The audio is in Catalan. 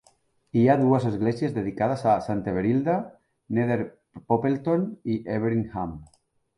Hi ha dues esglésies dedicades a Santa Everilda - Nether Poppleton i Everingham.